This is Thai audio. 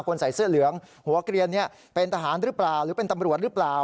ใส่เสื้อเหลืองหัวเกลียนเป็นทหารหรือเปล่าหรือเป็นตำรวจหรือเปล่า